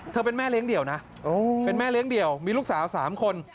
เป็นแม่เลี้ยงเดี่ยวนะเป็นแม่เลี้ยงเดี่ยวมีลูกสาว๓คน